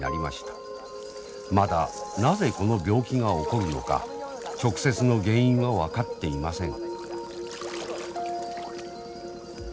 まだなぜこの病気が起こるのか直接の原因は分かっていません。